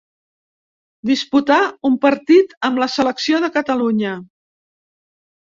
Disputà un partit amb la selecció de Catalunya.